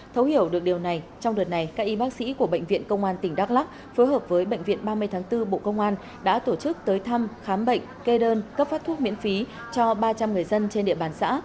thấu hiểu được điều này trong đợt này các y bác sĩ của bệnh viện công an tỉnh đắk lắc phối hợp với bệnh viện ba mươi tháng bốn bộ công an đã tổ chức tới thăm khám bệnh kê đơn cấp phát thuốc miễn phí cho ba trăm linh người dân trên địa bàn xã